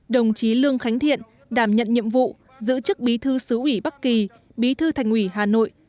đồng chí lương khánh thiện đảm nhận nhiệm vụ giữ chức bí thư xứ ủy bắc kỳ bí thư thành ủy hà nội